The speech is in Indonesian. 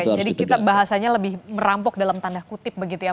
jadi kita bahasanya lebih merampok dalam tanda kutip begitu ya